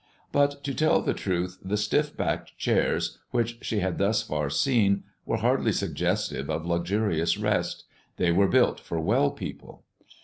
But, to tell the truth, the stiff backed chairs which she had thus far seen were hardly suggestive of luxurious rest; they were built for well people.